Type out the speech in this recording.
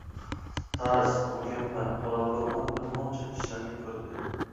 تاراس مۇكەممەل قوراللانغان بىر مۇنچە كىشىلەرنى كۆردى.